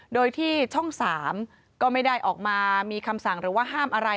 โดยที่ช่อง๓ก็ไม่ได้ออกมามีคำสั่งหรือว่าห้ามอะไร